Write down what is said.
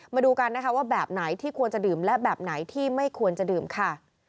มาดูกันนะคะว่าแบบไหนที่ควรจะดื่มและแบบไหนที่ไม่ควรจะดื่มค่ะ